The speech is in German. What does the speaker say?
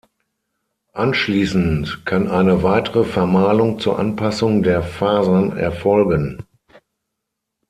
Anschließend kann eine weitere Vermahlung zur Anpassung der Fasern erfolgen.